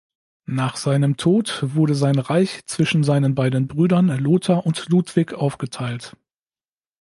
Nach seinem Tod wurde sein Reich zwischen seinen beiden Brüdern Lothar und Ludwig aufgeteilt.